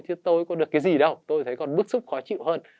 chứ tôi có được cái gì đâu tôi thấy còn bứt sức khó chịu hơn